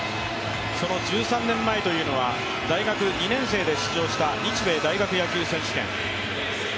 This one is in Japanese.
その１３年前というのは、大学２年生で出場した日米大学野球選手権。